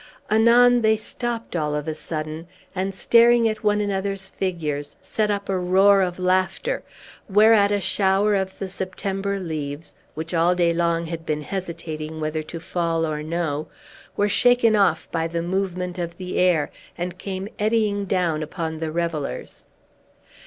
Anon they stopt all of a sudden, and staring at one another's figures, set up a roar of laughter; whereat a shower of the September leaves (which, all day long, had been hesitating whether to fall or no) were shaken off by the movement of the air, and came eddying down upon the revellers.